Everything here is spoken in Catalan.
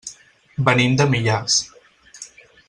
Venim de Millars.